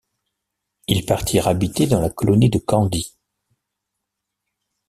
Ils partirent habiter dans la colonie de Candie.